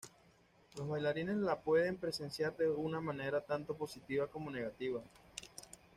Los bailarines la pueden presenciar de una manera tanto positiva como negativa.